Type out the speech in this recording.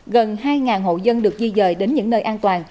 gần hai hộ dân được di dời đến những nơi an toàn